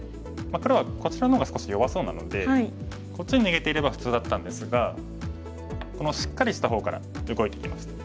黒はこちらの方が少し弱そうなのでこっちに逃げていれば普通だったんですがこのしっかりした方から動いてきました。